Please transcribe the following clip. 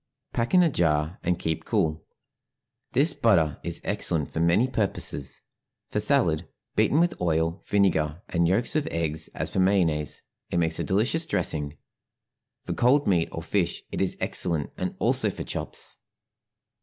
Pack in a jar, and keep cool. This butter is excellent for many purposes. For salad, beaten with oil, vinegar, and yolks of eggs, as for mayonnaise, it makes a delicious dressing. For cold meat or fish it is excellent, and also for chops.